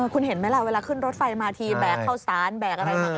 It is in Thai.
คุณเห็นไหมล่ะเวลาขึ้นรถไฟมาทีแบกเข้าสารแบกอะไรมา